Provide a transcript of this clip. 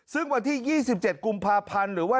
ซึ่งวันที่๒๗กุมภาพันธ์หรือว่า